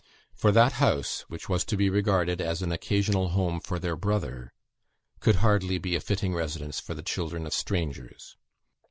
For that house, which was to be regarded as an occasional home for their brother, could hardly be a fitting residence for the children of strangers.